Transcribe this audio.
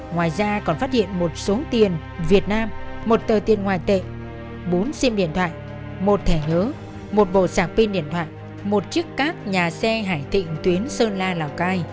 ngoài ra còn phát hiện một số tiền việt nam một tờ tiền ngoài tệ bốn sim điện thoại một thẻ nhớ một bộ sạc pin điện thoại một chiếc cát nhà xe hải thịnh tuyến sơn la lào cai